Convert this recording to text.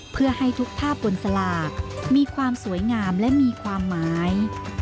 เพื่อให้ทุกภาพบนสลากมีความสวยงามและมีความหมาย